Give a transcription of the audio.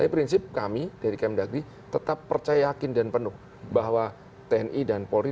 prinsip kami dari km dagri tetap percaya yakin dan penuh bahwa tni dan polri